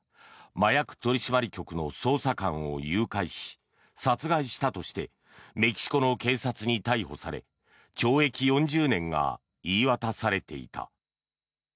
麻薬取締局の捜査官を誘拐し殺害したとしてメキシコの警察に逮捕され懲役４０年が言い渡されていた。